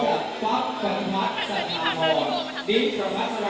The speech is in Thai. อันนี้ผ่านมาที่โบ๊คประทับใจ